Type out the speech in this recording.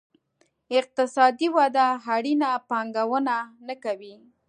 اقتصادي وده اړینه پانګونه نه کوي.